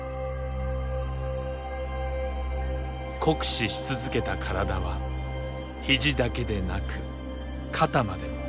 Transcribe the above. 酷使し続けた体は肘だけでなく肩までも。